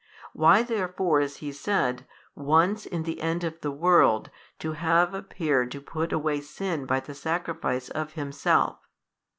Why therefore is He said once in the end of the world to have appeared to put away sin by the sacrifice of Himself?